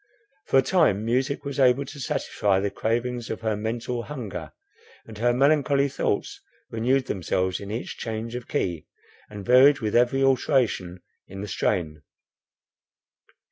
For a time music was able to satisfy the cravings of her mental hunger, and her melancholy thoughts renewed themselves in each change of key, and varied with every alteration in the strain.